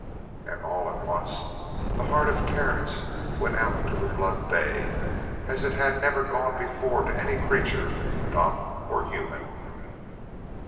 And all at once the heart of Terence went out to the blood bay as it had never gone before to any creature, dumb or human.